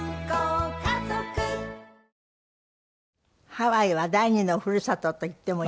ハワイは第二のふるさとと言ってもいい？